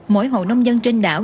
mỗi hồ nông dân trên đảo